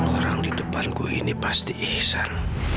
orang di depanku ini pasti ikhsan